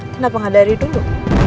kenapa gak dari dulu